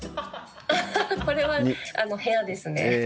これは部屋ですね。